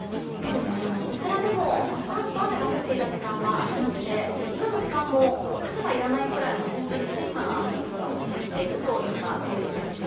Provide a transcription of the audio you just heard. こちらでもサーっと雨が降っていた時間はありまして今の時間も傘はいらないくらいの本当に小さな雨粒が落ちてきている程度です。